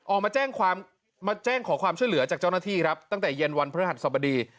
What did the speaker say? ออกมาแจ้งความมาแจ้งขอความช่วยเหลือจากเจ้าหน้าที่ครับตั้งแต่เย็นวันพระหัสสบดี